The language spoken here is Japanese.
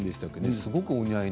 すごくお似合い。